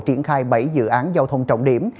triển khai bảy dự án giao thông trọng điểm